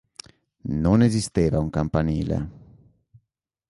Non esisteva un campanile.